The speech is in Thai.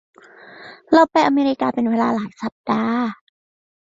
เราไปอเมริกาเป็นเวลาหลายสัปดาห์